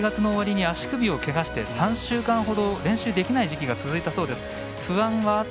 １月の終わりに足首をけがして３週間ほど練習できない時期が続いたそうです。